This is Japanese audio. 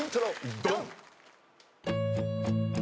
ドン！